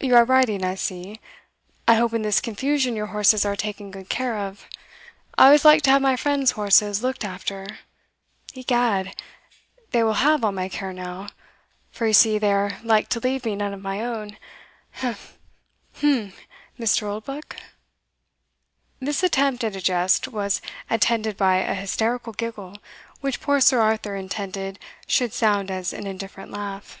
You are riding, I see I hope in this confusion your horses are taken good care of I always like to have my friend's horses looked after Egad! they will have all my care now, for you see they are like to leave me none of my own he! he! he! eh, Mr. Oldbuck?" This attempt at a jest was attended by a hysterical giggle, which poor Sir Arthur intended should sound as an indifferent laugh.